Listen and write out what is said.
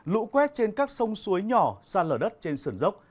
lũ quét trên các sông suối nhỏ sa lở đất trên sườn dốc